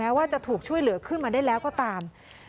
ว่าจะถูกช่วยเหลือขึ้นมาได้แล้วก็ตาม